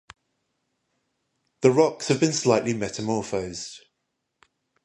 The rocks have been slightly metamorphosed.